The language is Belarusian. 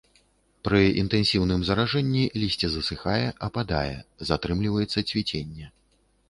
Пры інтэнсіўным заражэнні лісце засыхае, ападае, затрымліваецца цвіценне.